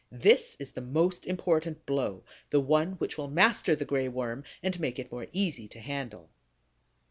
This is the most important blow, the one which will master the Gray Worm and make it more easy to handle.